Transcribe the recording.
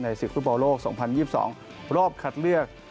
ศึกฟุตบอลโลก๒๐๒๒รอบคัดเลือก